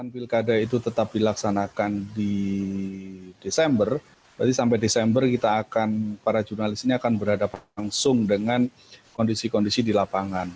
pilkada itu tetap dilaksanakan di desember berarti sampai desember kita akan para jurnalis ini akan berhadapan langsung dengan kondisi kondisi di lapangan